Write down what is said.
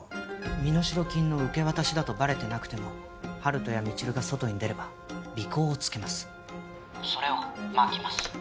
身代金の受け渡しだとバレてなくても温人や未知留が外に出れば尾行をつけますそれをまきます